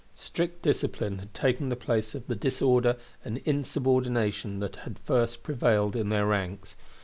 Strict discipline had taken the place of the disorder and insubordination that had first prevailed in their ranks.